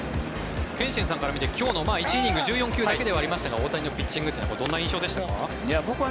憲伸さんから見て１イニング１４球だけでしたが大谷のピッチングはどんな印象でしたか。